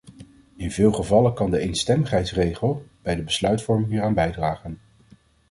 In veel gevallen kan de eenstemmigheidsregel bij de besluitvorming hieraan bijdragen.